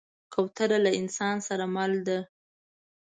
کوتره له انسان سره مل ده.